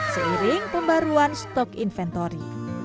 seiring pembaruan stok inventory